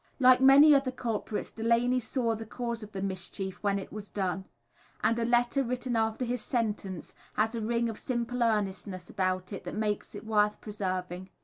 Like many other culprits, Delaney saw the cause of the mischief when it was done; and a letter written after his sentence, has a ring of simple earnestness about it that makes it worth preserving.